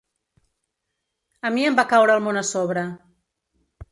A mi em va caure el món a sobre.